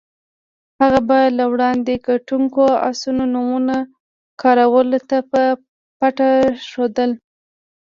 هغه به له وړاندې ګټونکو اسونو نومونه کراول ته په پټه ښودل.